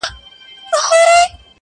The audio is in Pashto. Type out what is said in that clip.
نوم ئې لوړ کور ئې ډنگر.